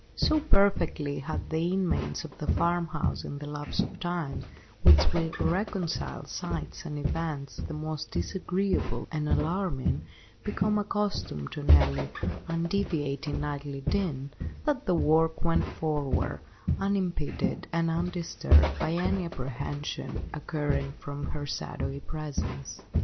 So perfectly had the inmates of the farmhouse in the lapse of time, which will reconcile sights and events the most disagreeable and alarming, become accustomed to Nelly's undeviating nightly din, that the work went forward unimpeded and undisturbed by any apprehension accruing from her shadowy presence.